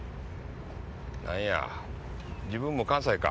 なんや自分も関西か。